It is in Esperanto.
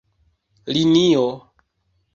linio